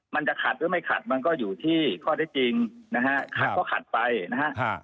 มันจะขัดหรือไม่ขัดมันก็อยู่ที่ข้อได้จริงนะฮะขัดก็ขัดไปนะฮะ